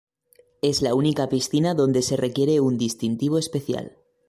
Es la única piscina donde se requiere un distintivo especial.